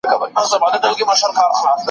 المارۍ د هغې د پټو ارمانونو یوه لویه خزانه وه.